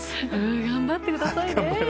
頑張ってくださいね！